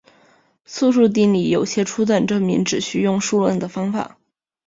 素数定理有些初等证明只需用数论的方法。